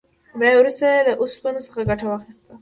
بیا وروسته یې له اوسپنې څخه ګټه واخیسته.